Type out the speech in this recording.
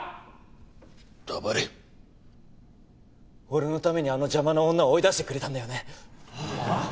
俺のためにあの邪魔な女を追い出してくれたんだよね？